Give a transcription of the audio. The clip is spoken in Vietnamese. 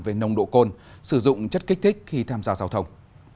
về nồng độ cồn sử dụng chất kích thích khi tham gia giao thông